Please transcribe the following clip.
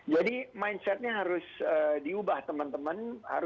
jadi mindsetnya harus diubah teman teman